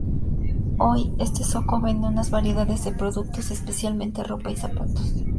Hoy, este zoco vende una variedad de productos, especialmente ropa y zapatos.